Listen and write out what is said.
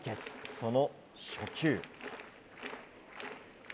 その初球。